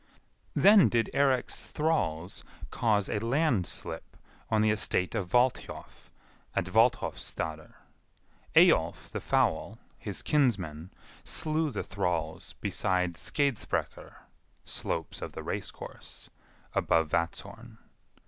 Then did Eirik's thralls cause a landslip on the estate of Valthjof, at Valthjofsstadr. Eyjolf the Foul, his kinsman, slew the thralls beside Skeidsbrekkur (slopes of the race course), above Vatzhorn.